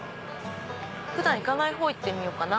普段行かない方行ってみようかな。